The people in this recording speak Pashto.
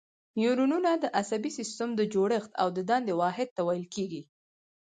نیورونونه د عصبي سیستم د جوړښت او دندې واحد ته ویل کېږي.